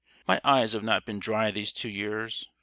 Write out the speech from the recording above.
My eyes have not been dry these two years.